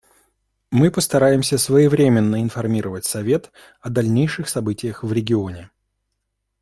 Мы постараемся своевременно информировать Совет о дальнейших событиях в регионе.